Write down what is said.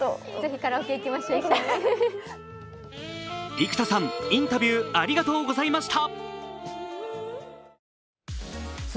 幾田さん、インタビューありがとうございました。